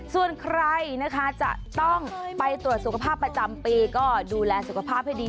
ส่วนใครนะคะจะต้องไปตรวจสุขภาพประจำปีก็ดูแลสุขภาพให้ดี